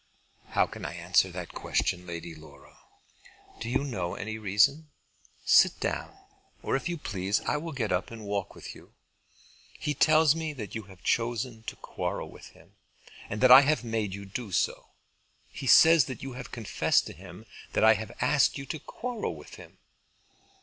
"How can I answer that question, Lady Laura?" "Do you know any reason? Sit down, or, if you please, I will get up and walk with you. He tells me that you have chosen to quarrel with him, and that I have made you do so. He says that you have confessed to him that I have asked you to quarrel with him."